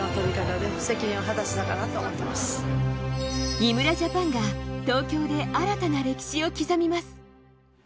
井村ＪＡＰＡＮが東京で新たな歴史を刻みます。